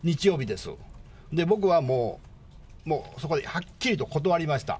で、僕はもう、そこではっきりと断りました。